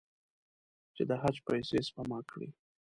چې د حج پیسې سپما کړي.